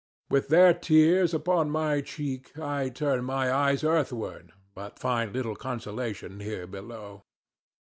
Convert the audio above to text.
With their tears upon my cheek I turn my eyes earthward, but find little consolation here below.